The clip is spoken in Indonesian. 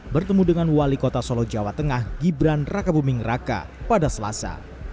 bertemu dengan wali kota solo jawa tengah gibran raka buming raka pada selasa